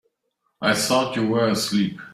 I thought you were asleep.